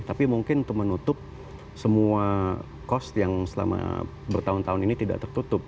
tapi mungkin untuk menutup semua cost yang selama bertahun tahun ini tidak tertutup